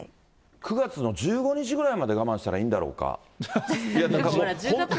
９月の１５日ぐらいまで我慢したらいいんだろうか。